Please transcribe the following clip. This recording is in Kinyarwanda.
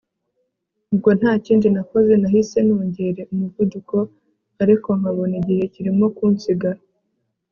ubwo ntakindi nakoze, nahise nongere umuvuduko ariko nkabona igihe kirimo kunsiga